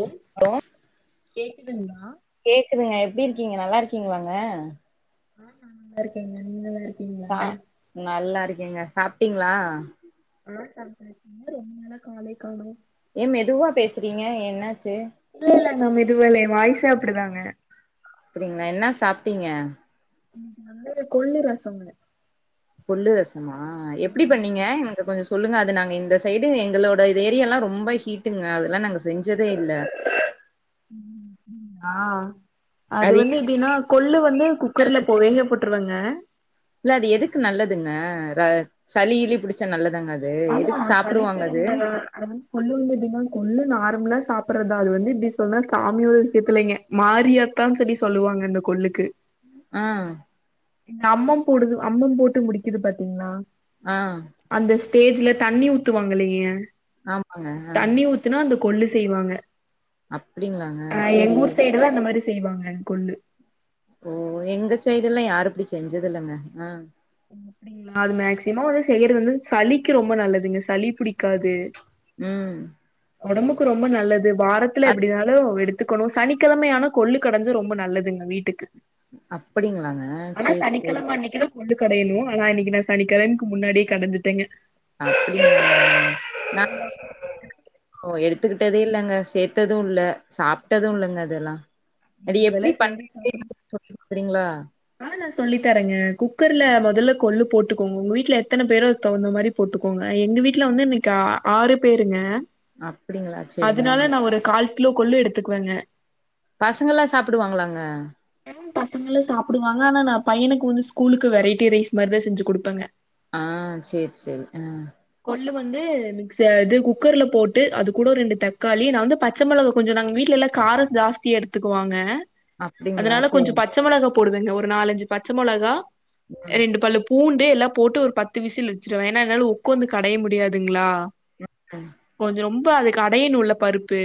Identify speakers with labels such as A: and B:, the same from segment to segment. A: ம்
B: ஹலோ
A: கேக்குதுங்களா
B: கேக்குதுங்க எப்டி இருக்கீங்க நல்லா இருக்கீங்களாங்க
A: ஆ நா நல்லா இருக்கேங்க நீங்கநல்லாரு
B: சா நல்லா இருக்கேங்க சாப்டீங்ளா
A: ஆ சாப்டாச்சிங்க ரொம்ப நாளா காலெ காணோ
B: ஏ மெதுவா பேசுறீங்க என்னாச்சு
A: இல்ல இல்லங்க மெதுவால்ல எ வாய்சே அப்டிதாங்க
B: அப்டிங்ளா என்ன சாப்ட்டீங்க
A: இன்னைக்கு வந்து கொள்ளு ரசம்ங்க
B: கொல்லுரசமா எப்டி
A: ஓ,
B: பண்ணீங்க எனக்கு கொஞ்சொ சொல்லுங்க அது நாங்க இந்த சைடு எங்களோட இது ஏரியால்லா ரொம்ப ஹீட் ஹீட்டுங்க அதெல்லா நாங்க செஞ்சதே இல்ல
A: ஹா அது வந்து எப்படின்னா கொள்ளு வந்து குக்கர்ல போ வேக போட்டுருவங்க
B: இல்ல அது எதுக்கு நல்லதுங்க சளி கிளி புடிச்சா நல்லதாங்க அது அது
A: ஆமா
B: எதுக்கு
A: சளி
B: சாப்டுவாங்க அது
A: திரும்ப அது வந்து கொள்ளு வந்து எப்டின்னா கொள்ளு நார்மலா சாப்றத்தா அது வந்து இப்டி சொன்னா சாமிய ஒருக்கத்துலைங்க மாரியத்தான் சொல்லி சொல்லுவாங்க இந்த கொள்ளுக்கு
B: ஆ
A: இந்த அம்மம் போடுது அம்மம் போட்டு முடிக்குது பாத்தீங்ளா
B: ஆ
A: அந்த ஸ்டேஜ்ல தண்ணி ஊத்துவாங்கலைங்க
B: ஆமாங்க ஆ
A: அத்த நாள் அந்த கொள்ளு செய்வாங்க
B: அப்டிங்ளாங்க செரி
A: இதுல அந்த மாரி செய்வாங்க கொள்ளு
B: ஓ எங்க சைடுல்லா யாரு இப்டி செஞ்சதுல்லங்க அ
A: அப்டிங்ளா அது மேக்சிமோ வந்து செய்யறது வந்து சளிக்கு ரொம்ப நல்லதுங்க சளி புடிக்காது
B: ம்
A: ஒடம்புக்கு ரொம்ப நல்லது வாரத்துல
B: அ
A: எப்டினாலு எடு கத்துக்கணு சனிக்கெழமையானா கொள்ளு கடஞ்ச ரொம்ப நல்லதுங்க வீட்டுக்கு
B: அப்படிங்களாங்க.
A: ஆனா
B: சேரி, சேரி.
A: சனிக்கெழம அன்னிக்கு கடையணு ஆனா இன்னிக்கு நா சனிக்கெழன்கு முன்னாடியே கடஞ்சிட்டேங்க
B: அப்டிங்களாங்க நாங்க [inaudible] ஓ எடுத்துக்கிட்டதே இல்லங்க சேத்ததும் இல்ல சாப்ட்டதும் இல்லங்க அதெல்லா அது
A: அதெல்லா
B: எப்டி
A: செஞ்சு
B: பண்றீங்க
A: சாப்புடு
B: எனக்கு சொல்லி தறீங்ளா
A: ஆ நா சொல்லி தரேங்க குக்கர்ல மொதல்ல கொள்ளு போட்டுக்கோங்க உங்க வீட்ல எத்தன பேரோ அதுக் தகுந்த மாரி போட்டுக்கோங்க எங்க வீட்ல வந்து இன்னக் ஆறு பேருங்க
B: அப்படிங்களா? சரிங்க.
A: அதனால நா ஒரு கால் கிலோ கொள்ளு எடுத்துக்வேங்க
B: பசங்கல்லா சாப்புடுவாங்களாங்க
A: [inaudible] பசங்களு சாப்புடுவாங்க அனா நா பையனுக்கு வந்து ஸ்கூலுக்கு வெரைட்டி ரைஸ் மார்தா செஞ்சு குடுப்பங்க
B: அ சேர் சேரி ஆ
A: கொள்ளு வந்து மிக்ச இது குக்கர்ல போட்டு அது கூட ரெண்டு தக்காளி நா வந்து ப ச்ச மொளகா கொஞ்சொ நாங்க வீட்ல்லா காரம் ஜாஸ்தியா எடுத்துக்குவாங்க
B: அப்படிங்களா?
A: அதுனால கொஞ்சொ
B: சரிங்க.
A: பச்ச மொளகா போடுவங்க ஒரு நாலஞ்சு பச்ச மொளகா
B: ம்,
A: ரெண்டு பள்ளுப் பூண்டு எல்லா போட்டு ஒரு பத்து விசில் வச்சிடுவே ஏனா என்னால் உக்காந்து கடைய முடியாதுங்களா
B: ம்.
A: கொஞ்ச ரொம்ப அதுக்கடையனுல்ல பருப்பு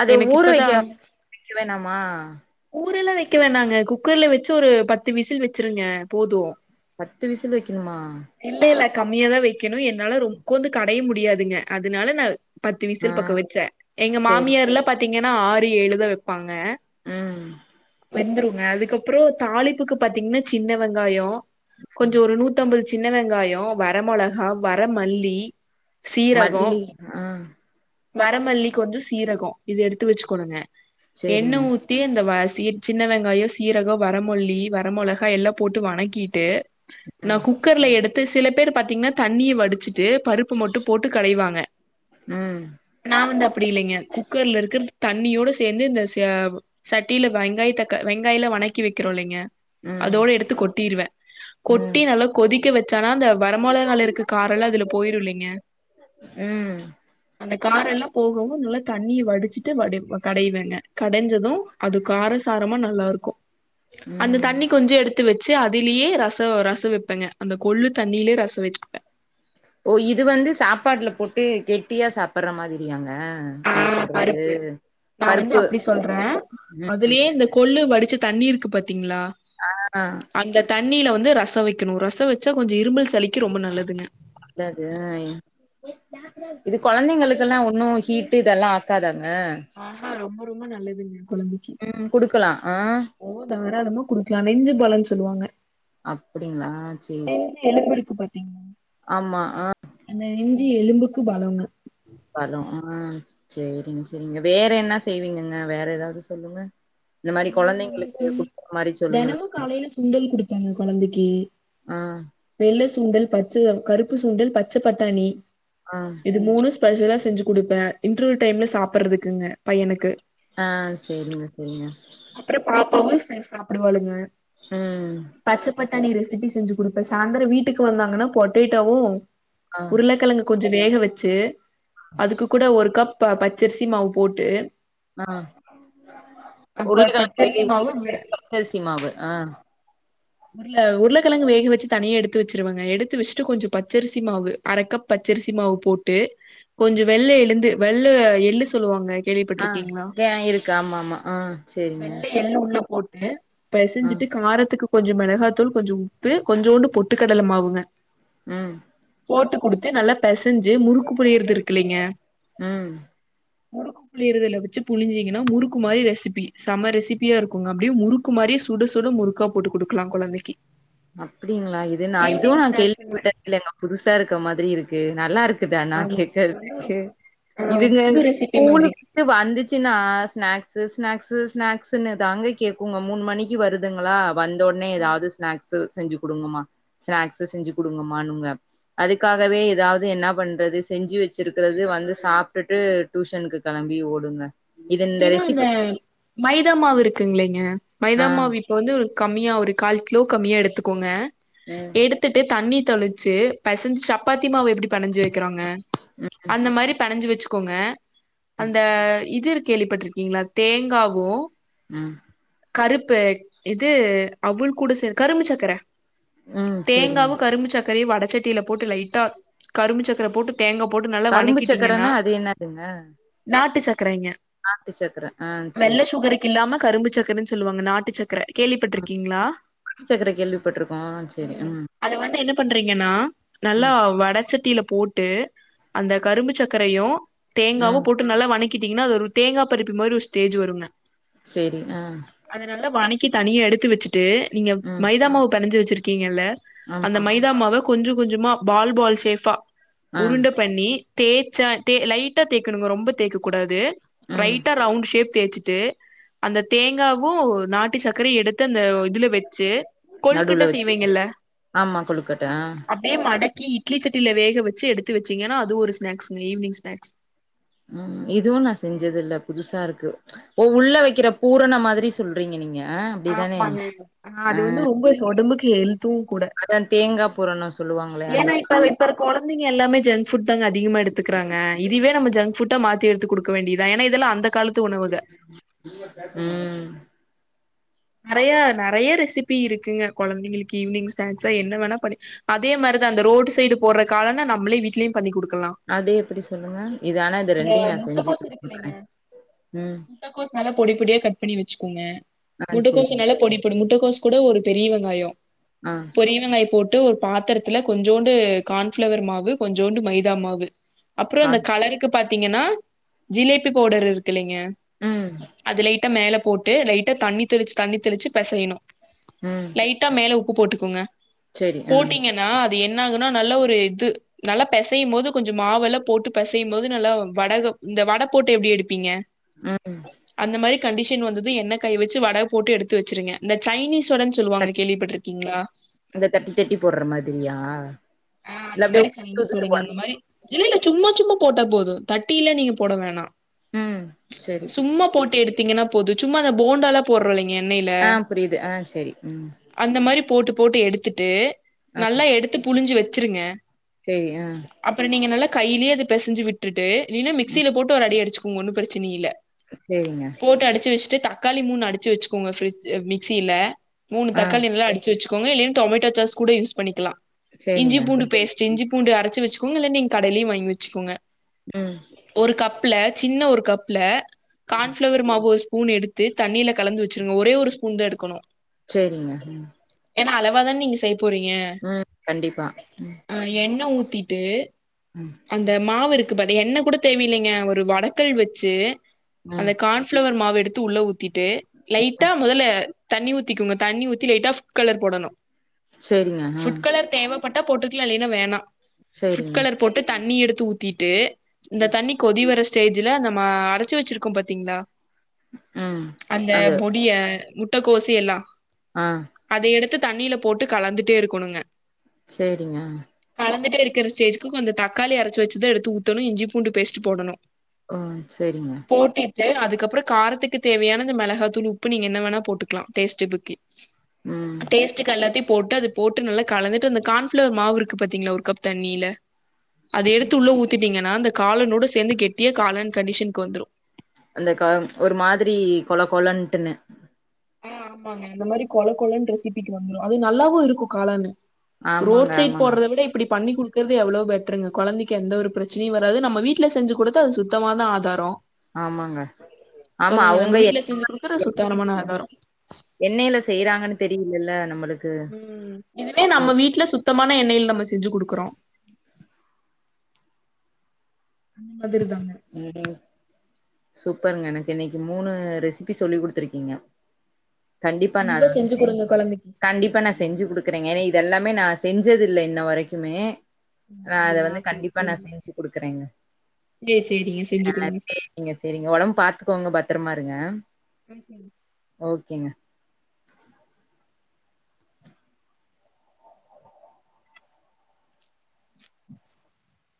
B: அது
A: எனக்கு
B: ஊற
A: இப்பதா
B: வெக்க வெக்க வேணாமா
A: ஊரல்லா வெக்க வேணாங்க குக்கர்ல வெச்சு ஒரு பத்து விசில் வெச்சிருங்க போது
B: பத்து விசில் வெக்கணுமா
A: இல்ல இல்ல கம்மியாதா வெக்கணு என்னால ரொ ஒக்கோந்து கடைய முடியாதுங்க அதனால நா பத்து
B: ஆ
A: விசில் பக்கோ வச்சே எங்க
B: சரி.
A: மாமியார்ல்லா பாத்தீங்கன்னா ஆறு ஏழுதா வைப்பாங்க
B: ம்
A: வெந்துருங்க அதுக்கப்பறோ தாளிப்புக்கு பாத்தீங்ன்னா சின்ன வெங்காயே
B: ம்.
A: கொஞ்சொ ஒரு நூத்தம்பது சின்ன வெங்காயோ வர மொளகா வரமல்லி
B: மல்லி அ
A: வரமல்லிக்கு கொந்து சீரகம் இது எடுத்து வச்சுக்கோணுங்க எண்ணெ
B: சரிங்க.
A: ஊ தீர்ந்த வாசி சின்ன வெங்காயோ சீரகம் வரமொல்லி வர மொளகா எல்லா போட்டு வணக்கிட்டு நா
B: ம்,
A: குக்கர்ல எடுத்து சில பேர் பாத்தீங்கன்னா தண்ணிய வடிச்சுட்டு பருப்பு மட்டூ போட்டு கடைவாங்க
B: ம்
A: நா வந்து அப்டி இல்லங்க குக்கர்ல இருக்கரது தண்ணியோட சேர்ந்து இந்த ச சட்டில வெங்காய த வெங்காயொலா வணக்கி வெக்கிறோ இல்லங்க
B: ம்,
A: அதோடு எடுத்து கொட்டிர்வே கொட்டி
B: ம்,
A: நல்லா கொதிக்க வச்சோனா அந்த வரமொளகால இருக்க காரல்லா அதுல போயிருமில்லங்க
B: ம்
A: அந்த காரல்லா போகவு நல்லா தண்ணிய வடிச்சிட்டு வடி கடைவேங்க கடைஞ்சது அது காரசாரமா நல்லாருக்கு அந்த
B: ம்
A: தண்ணிகொஞ்சு எடுத் த்து வெச்சு அதுலேயே ரச ரசொ வெப்பேங்க அந்த கொள்ளு தண்ணியிலே ரசொ வச்சப்பே
B: ஓ இது வந்து சாப்பாட்டுல போட்டு கெட்டியா சாப்ட்ற மாதிரியாங்க
A: ஆ
B: நீங்க சொல்றது
A: பருப்பு நா வந்து
B: பருப்பு
A: அப்டி சொல்றே
B: ம்
A: அதுலேயே இந்த கொள்ளு வடிச்சு தண்ணி இருக்கு பாத்தீங்களா
B: ஆ அ
A: அந்த தண்ணில வந்து ரசொ வெக்கணு ரசொ வச்சா கொஞ்சொ இரும்பல் சளிக்கு ரொம்ப நல்லதுங்க
B: நல்லது ஆ இ இது கொழந்தைங்களுக்கெல்லா ஒன்னு ஹீட்டு இதெல்லா ஆகாதாங்க
A: ஆ ஆ ரொம்ப ரொம்ப நல்லதுங்க கொழந்தைக்கு
B: ம் குடுக்கலா ஆ
A: ஓ தாரளாமா குடுக்கலா நெஞ்சு பலன்னு சொல்வாங்க
B: அப்டிங்களா செரி செரி
A: எலும்புருக்கு பாத்தீங்க
B: ஆமா ஆ
A: அந்த நெஞ்சி எலும்புக்கு பலங்க
B: பலொ ஆ செரிங்க செரிங்க வேற என்ன செய்வீங்கங்க வேற ஏதாவது சொல்லுங்க இந்த மாரி
A: வேற
B: கொழந்தைங்களுக்கு
A: வந்துட்டு
B: குடுக்ற மாரி சொல்லுங்களே
A: தெனமு காலையில சுண்டல் குடுப்பேங்க கொழந்தைக்கு
B: ஆ
A: வெள்ள சூண்டல் பச்ச கருப்பு சூண்டல் பச்ச பட்டாணி
B: ஆ
A: இது மூணு ஸ்பெஷலா செஞ்சு குடுப்ப இன்டர்வல் டைம்ல சாப்புறதுக்குங்க பையனுக்கு
B: ஆ செரிங்க செரிங்க
A: அப்ற பாப்பாவு சேந் சாப்டுவாளுங்க
B: ம்
A: பச்ச பட்டாணி ரெசிப்பி செஞ்சு குடுப்ப சாய்ந்தர வீட்டுக்கு வந்தாங்கனா பொட்டேட்டோவு
B: ஆ
A: உருளக்கெழங்கு கொஞ்ச வேக வச்சு அதுக்கு கூட ஒரு கப் ப பச்சரிசி மாவு போட்டு
B: ஆ
A: அப்ப
B: உருளக்கெழங்கு
A: பச்சரிசி
B: வேக
A: மாவு வே
B: வக்க பச்சரிசி மாவு ஆ
A: உருள உருளக்கெழங்கு வேக வச்சு தனியே எடுத்து வச்சுருவங்க எடுத்து வச்சுட்டு கொஞ்ச பச்சரிசி மாவு அர கப் பச்சரிசி மாவு போட்டு கொஞ்சொ வெள்ள எளுந்து வெள்ள எள்ளு சொல்லுவாங்க
B: ஆ
A: கேள்விப்பட்டிருக்கீங்களா
B: கே இருக்கு ஆமா ஆமா ஆ சரிங்க
A: வெள்ள எள்ளு உள்ள போட்டு பெசஞ்சிட்டு காரத்துக்கு கொஞ்சொ மெளகாத்தூள் கொஞ்சொ உப்பு கொஞ்சோண்டு பொட்டுக் கடல மாவுங்க
B: ம்
A: போட்டு குடுத்து நல்லா பெசஞ்சு முறுக்கு புழியறது இருக்குல்லிங்க
B: ம்
A: முறுக்கு புழியதுல வச்சு புழிஞ்சிங்கனா முறுக்கு மாதிரி ரெசிப்பி செம ரெசிப்பியா இருக்குங்க அப்டியே முறுக் கு மாரி சுட சுட முறுக்கா போட்டு குடுக்கலா கொழந்தைக்கி
B: அப்டிங்களா இது நா இதுவு
A: ஈவினிங்
B: நா
A: ஸ்நாக்ஸ்ங்க
B: கேள்விபட்டல்லங்க புதுசா இருக்க மாதிரி இருக்கு நல்லாருக் இதுக்கு தானா
A: ஆமாங்க
B: கேக்கற
A: அது வந்து ஒரு
B: துக்கு
A: ஆ
B: இதுங்க
A: புது ரெசிபி மாதிரி
B: ஸகூலுக் விட்டு வந்துச்சுன்னா ஸ்நாக்ஸு ஸ்நாக்ஸு ஸ்நாக்ஸ்ன்னு தாங்க கே்க்குங்க மூணு மணிக் க்கி வருதுங்களா வந்தவொன்னே ஏதாவது ஸ்நாக்ஸு செஞ்சு குடுங்கம்மா ஸ்நாக்ஸு செஞ்சுக் குடுங்கமானுங்க அதுக்காகவே ஏதாவது என்ன பண்றது செஞ்சு வச்சிருக்கிறது வந்து சாப்ட்டுட்டு டியூஷனுக்கு கெளம்பி ஓடுங்க இது
A: பினு இந்த
B: ரெசிபி
A: மைதா மாவு இருக்குங்கில்லீங்க மைதா
B: ஆ
A: மாவு இப்ப வந்து ஒரு கம்மியா ஒரு கால் கிலோக் கம்மியா எடுத்துக்கோங்க
B: ம்
A: எடுத் துட்டு தண்ணி தொளிச்சி பெசஞ்சி சப்பாத்தி மாவு எப்படி பெனஞ்சு வக்கிறோங்க
B: ம்
A: அந்த மாதிரி பெனஞ்சி வச்சுக்கோங்க அந்த இது இருக் கேள்விப்பட்டிருக்கீங்களா தேங்காவு
B: ம்
A: கருப்பு இது அவுல் கூட சே கரும்பு சக்கர
B: ம் செரிங்க
A: தேங்காவு கரும்பு சக்கர வடச்சட்டியில போட்டு லைட்டா கரும்பு சக்கர போட்டு தேங்கா போட்டு நல்லா
B: கரும்பு
A: வணக்கிட்டீங்கன்னா
B: சக்கரன்னா அது என்னதுங்க
A: நாட்டு சக்கரங்க
B: நாட்டு சக்கர ஆ செரி
A: கில்லாம கரும்பு சக்கரன்னு சொல்லுவாங்க நாட்டு சக் கர கேள்விப்பட்ருக்கீங்களா
B: சக்கர கேள்விப்பட்டிருக்கோ செரி
A: ம் அத வந்து என்ன பண்றீங்கன்னா நல்லா
B: ம்
A: வடச்சட்டியில போட்டு அந்த கரும்பு சர்க்கரையு தேங்காவு
B: ம்
A: போட்டு நல்லா வணக்கிட்டீங்கன்னா அது ஒரு தேங்காய் பருப்பி மாரி ஒரு ஸ்டேஜ் வருங்க
B: சேரி ஆ
A: அதநல்லா வணக்கி தனியா எடுத்து வச்சுட்டு நீங்க
B: ம்
A: மைதா மாவு பெணஞ்சி வச்சிருக்கீங்கல்ல அந்த
B: ஆமா
A: மைதாமாவ கொஞ்ச கொஞ்சமா பால் பால் சேஃபா
B: ஆ
A: உருண்ட பண்ணி தேச்சா தே லைட்டா தேய்கணுங்க ரொம்ப தேக்க கூடாது
B: ம்
A: லைட்டா ரவுண்ட் ஷேப் தேச்சுட்டு அந்த தேங்காவு நாட் ட்டி சக்கர எடுத்து அந்த இதுல வச்சு கொழுக்கட்ட
B: நடுவுல வச்சு
A: செய்வீங்கல்ல
B: ஆமா கொழுக்கட்ட அ
A: அப்டியே மடக்கி இட்லி சட்டில வேக வச்சு எடுத்து வச்சீங்கனா அது ஒரு ஸ்நாக்ஸ்ங்க ஈவினிங் ஸ்நாக்ஸ்
B: ம் இதுவு நா செஞ்சது இல்ல புதுசா இருக்கு ஓ உள்ள வைக்கிற பூரண மாதிரி சொல்றீங்க நீங்க அப்டிதானே
A: ஆமாங்க
B: ஆ
A: அது வந்து ரொம்ப ஒடம்புக்கு ஹெல்த்து கூட
B: அதா தேங்கா பூரண
A: ஏனா இப்ப இப்ப கொழந்தைங்க எல்லாமே ஜங்ஃபுட் தாங்க அதிகமா எடுத்துக்கிறாங்க இதுவே நம்ம ஜங்ஃபுட் ட்ட மாத்தி எடுத்து குடுக்க வேண்டியதா ஏனா இதெல்லா அந்த காலத்து உணவுக
B: ம்
A: நெறைய நெறைய ரெசிபி இருக்குங்க குழந்தைங்களுக்கு ஈவினிங் ஸ்னாக்ஸ்ஸா என்ன வேணா பண்ணி அதே மாரிதா அந்த ரோடு சைடு போற காலன நம்மளே வீட்லயு பண்ணி கொடுக்கலா
B: அத எப்டி சொல்லுங்க இத ஆனா இது ரெண்டையு நா செஞ்சு கொடுத்துக்கறே ம்
A: முட்டைகோஸ் நல்லா பொடி பொடியா கட் பண்ணி வச்சிக்கோங்க
B: ஆ சேரி
A: முட்டுகோசுனால பொடி பொடி முட்டைக்கோசு கூட ஒரு பெரிய வெங்காயொ
B: அ
A: பெரிய வெங்காயொ போட்டு ஒரு பாத்திரத்துல கொஞ்சோண்டு கான்ஃப்ளவர் மாவு கொஞ்சோண்டு மைதா மாவு அப்புற அந்த
B: கான்
A: கலருக்கு பாத்தீங்கனா ஜிலேபி பவுடர் இருக் க்கலேங்க
B: ம்
A: அது லைட்டா மேல போட்டு லைட்டா தண்ணி தெளிச்சு தண்ணி தெளிச்சு பெசையணு
B: ம்
A: லைட்டா மேல உப்பு போட்டுக்கோங்க
B: சேரி ஆ
A: போட்டீங்கனா அது என்ன ஆகுனா நல்ல ஒரு இது நல்லா பெசையு போது கொஞ்ச மாவெல்லா போட்டு பெசையு போது நல்லா வடக இந்த வட போட்டு எப்டி எடுப்பீங்க
B: ம்
A: அந்த மாரி கண்டிஷன் வந்தது என்ன காய் வச் ச்சி வட போட்டு எடுத்து வச்சிருங்க இந்த சைனீஸ் வடன் சொல்லுவாங்க கேள்விப்பட்ருக்கீங்களா
B: இந்த தட்டி தட்டி போடுற மாதிரியா
A: ஆ
B: இல்ல
A: அந்த
B: அப்டியே
A: மாரி
B: உது
A: சைனீஸ்
B: உதுத்
A: வடைங்க
B: போடுற
A: அந்த மாரி இல்ல இல்ல சும்மா சும்மா போட்டா போது தட்டிலா நீங்க போட வேணா
B: ம் சேரி
A: சும்மா போட்டு எடுத்தீங்கனா போது சும்மா அந்த போண்டாலாப் போடுறோலங்க எண்ணெய்ல
B: ஆ புரியுது ஆ சேரி ம்
A: அந்த மாரி போட்டு போட்டு எடுத்துட்டு
B: ஆ
A: நல்லா எடுத்து புழிஞ்சு வச்சிருங்க
B: சேரி அ
A: அப்பற நீங்க நல்ல கையிலயே அது பெசஞ்சு விட்டுட்டு இல்லினா
B: ம்
A: மிக்சில போட்டு ஒரு அடி அடிச்சுக்கோங்க ஒன்னு பிரச்சினை இல்ல
B: சேரிங்க
A: போட்டு அடிச்சு வச்சுட்டு தக்காளி மூணு அடிச்சு வச்சுகோங்க ஃபிரிட் மிக்சில மூணு
B: ஆ
A: தக்காளி நல்லா அடி வச்சுக்கோங்க இல்லனா டொமேட்டோ சாஸ் கூட யூஸ் பண்ணிக்கலா இஞ்சி
B: சேரிங்க
A: பூண்டு பேஸ்ட் இஞ்சி பூண்டு அரச்சு வச்சுக்கோங்க இல்ல நீங்க கடைலயே வாங்கி வச்சுகோங்க
B: ம்
A: ஒரு கப்ல சின்ன ஒரு கப்ல கான்ஃபிளவர் மாவு ஒரு ஸ்பூன் எடுத்து தண்ணிலக் கலந்து வச்சிருங்க ஒரே ஒரு ஸ்பூன் தா எடுக்கணு
B: செரிங்க ம்
A: ஏனா அளவா தான நீங்க செய்ய போறீங்க
B: ம் கண்டிப்பா ம்
A: ஆ எண்ண ஊத்திட்டு
B: உம்
A: அந்த மாவு இருக்கு பாதி எண்ண கூட தேவயில்லைங்க ஒரு வடக்கல் வச்சு அந்த
B: ம்
A: கான் ப்ளவர் மாவு எடுத்து உள்ள ஊத்திட்டு லைட்டா
B: ம்
A: மொதல்ல தண்ணி ஊத்திக்கோங்க தண்ணி ஊத்தி லைட்டா ஃபுட் கலர் போடணும்
B: சேரிங்க ஆ
A: ஃபுட் கலர் தேவப்பட்டா போட்டுக்கலாம் இல்லன்னா வேணாம் ஃபுட்
B: சேரிங்க
A: கலர் போட்டு தண்ணி எடுத்து ஊத்திட்டு இந்த தண்ணி கொதி வர ஸ்டேஜ்ல நம்ம அரச்சு வச்சுருக்கோம் பாத்தீங்களா
B: உம்
A: அந்த பொடிய முட்டக்கோசு எல்லா
B: ஆ
A: அத எடுத்து தண்ணில போட்டு கலந்துட்டே இருக்கணுங்க
B: சேரிங்க
A: கலந்துட்டே இருக்குற ஸ்டேஜுக்கு கொஞ்சோ தக்காளிய அரச்சு வச்சத எடுத்து ஊத்தணும் இஞ்சி பூண்டு ஃபேஸ்ட் போடணும்
B: உம் சேரிங்க
A: அதுக்கப்பறம் காரத்துக்கு தேவையான இந்த மிளகாத்தூள் உப்பு நீங்க என்ன வேணா போட்டுக்கலாம் டேஸ்ட்டுபுக்கு
B: ம்
A: டேஸ்ட்டுக்கு எல்லாத்தயும் போட்டு அது போட்டு நல்லா கலந்துட்டு அந்த கான்ஃப்ளவர் மாவு இருக்கு பாத்தீங்களா ஒரு கப் தண்ணியில அது எடுத்து உள்ள ஊத்திட்டீங்கன்னா அந்த காளானோட சேந்து கெட்டியா காளான் கண்டிஷனுக்கு வந்துரும்
B: அந்த காளான் ஒரு மாதிரி கொழ கொழன்ட்டுன்னு
A: ஆ ஆமாங்க இந்த மாரி கொழ கொழன்னு ரெசிபிக்கு வந்துரும் அது நல்லாவும் இருக்கும் காளானு
B: ஆமாங்க
A: ரோட் சைட்
B: ஆமாங்க
A: போடுறத விட இப்படி பண்ணி குடுக் க்குறது எவ்ளோ பெட்டருங்க கொழந்தைக்கு எந்த ஒரு பிரச்சனையும் வராது நம்ம வீட்ல செஞ்சு கொடுத்த அது சுத்தமா தான் ஆதாரம்
B: ஆமாங்க ஆமா
A: சொல்லுங்க நம்ம வீட்ல செஞ்சு குடுக்குற சுத்தாரமான ஆதாரம்
B: எண்ணெய்யில செய்றாங்கன்னு தெரியுதுல்ல நம்மளுக்கு
A: உம் இதுவே நம்ம
B: ம்
A: வீட்ல சுத்தமான எண்ணெயில நம்ம செஞ்சு குடுக்குறோம் அந்த மாதிரி தாங்க
B: உஹம் சூப்பருங்க எனக்கு இன்னைக்கு மூணு ரெசிபி சொல்லி குடுத்துருக்கீங்க கண்டிப்பா நா அத
A: செஞ்சு குடுங்க கொழந்தைக்கு
B: கண்டிப்பா நா செஞ்சு குடுக்குறேங்க ஏன்னா இதெல்லாமே நா செஞ்சது இல்ல இன்ன வரைக்குமே நா அத
A: யா
B: வந்து
A: சேரி
B: கண்டிப்பா நா செஞ்சு குடுக்குறேங்க
A: சேரி சேரிங்க செஞ்சு
B: ஆ
A: குடுங்க
B: சேரிங்க சேரிங்க உடம்பு பாத்துக்கோங்க பத்துரமா இருங்க
A: ம்
B: ஓகேங்க